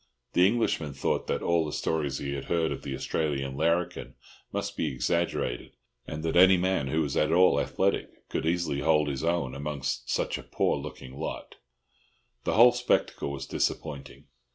The Englishman thought that all the stories he had heard of the Australian larrikin must be exaggerated, and that any man who was at all athletic could easily hold his own among such a poor looking lot. The whole spectacle was disappointing.